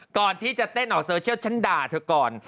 ก่อนที่จะเต้นออกโซเชียล